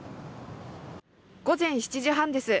午前７時半です。